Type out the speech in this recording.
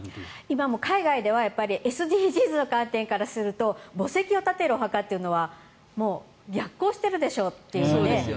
今、海外ではＳＤＧｓの観点からすると墓石を建てるお墓というのはもう逆行してるでしょって。